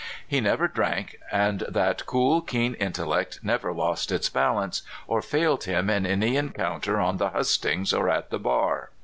He never dran^:, and that cool, keen intellect never lost its balance, or failed him in any encounter on the hustings or at the bar.